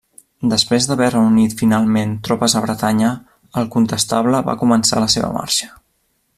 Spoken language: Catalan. Després d'haver reunit finalment tropes a Bretanya, el conestable va començar la seva marxa.